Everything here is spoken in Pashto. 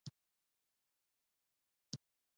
دا له نورو ډلو سره روغې جوړې ته نه رسېږي.